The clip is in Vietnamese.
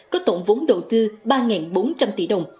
có tổng vốn đầu tư ba bốn trăm linh tỷ đồng